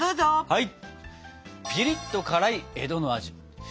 はい？